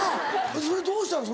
それどうしたの？